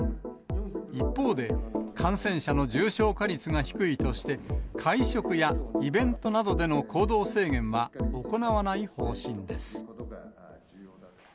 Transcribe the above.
一方で、感染者の重症化率が低いとして、会食やイベントなどでの行動制限は行わない方針です。